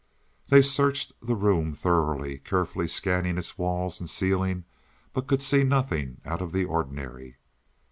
They searched the room thoroughly, carefully scanning its walls and ceiling, but could see nothing out of the ordinary.